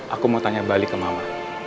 aku mau tanya balik ke mama